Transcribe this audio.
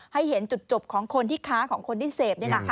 ให้เห็นจุดจบของคนที่ค้าของคนที่เสพ